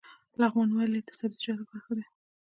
لغمان ولې د سبزیجاتو لپاره ښه دی؟